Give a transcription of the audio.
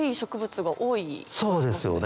そうですよね。